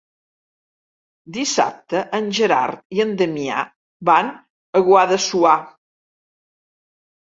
Dissabte en Gerard i en Damià van a Guadassuar.